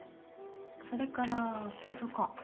それからパソコン